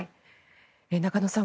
中野さん